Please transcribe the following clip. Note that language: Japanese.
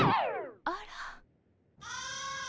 あら。